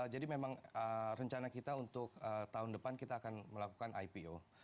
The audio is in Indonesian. jadi memang rencana kita untuk tahun depan kita akan melakukan ipo